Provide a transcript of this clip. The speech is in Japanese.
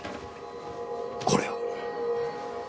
これを。